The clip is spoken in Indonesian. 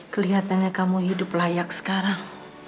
kelihatannya kamu hidup layak sekarang